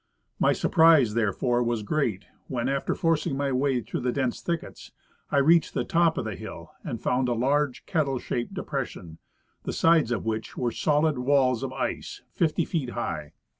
My surprise therefore was great when, after forcing mv way through the dense thickets, I reached the top of the hill, and found a large kettle shaped de pression, the sides of which were solid avails of ice fifty feet high.